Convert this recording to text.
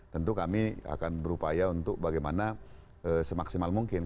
tentu kami akan berupaya untuk bagaimana semaksimal mungkin